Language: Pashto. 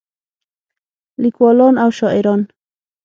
لیکولان او شاعران